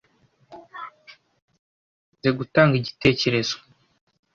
Tumaze gutanga igitekerezo.